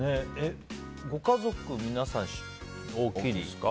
ご家族、皆さん大きいんですか？